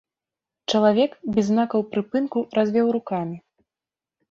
Чалавек без знакаў прыпынку развёў рукамі.